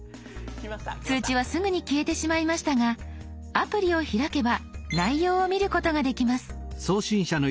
通知はすぐに消えてしまいましたがアプリを開けば内容を見ることができます。